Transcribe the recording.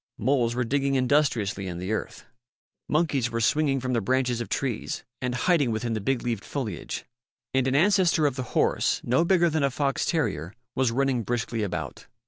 Moles were digging industriously in the earth. Monkeys were swinging from the branches of trees and hiding within the big leaved foliage. And an ancestor of the horse, no bigger than a fox terrier, was running briskly about.